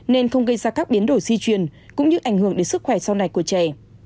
nên không gây ra các biến đổi di truyền cũng như ảnh hưởng đến sức khỏe sau này của trẻ